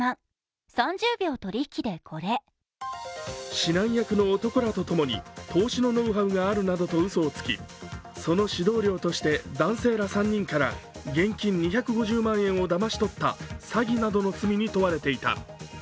指南役の男らとともに投資のノウハウがあるなどとうそをつきその指導料として男性ら３人から現金２５０万円をだまし取った詐欺などの罪に問われていた。